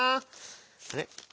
あれ？